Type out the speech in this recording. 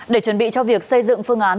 để chuẩn bị cho việc xây dựng phương án